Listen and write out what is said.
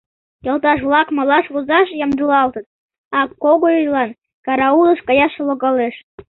Йолташ-влак малаш возаш ямдылалтыт, а Когойлан караулыш каяш логалеш.